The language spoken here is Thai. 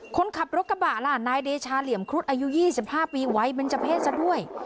คนขับรถกระบะล่ะนายเดชาเหลี่ยมครุฑอายุ๒๕ปีไว้เป็นเจ้าเพศซะด้วย